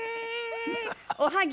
おはぎ。